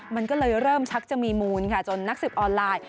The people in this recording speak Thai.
มันก็เลยเริ่มชักจะมีมูลค่ะจนนักสืบออนไลน์